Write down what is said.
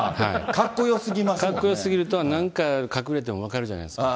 かっこよすぎるとなんか隠れても分かるじゃないですか。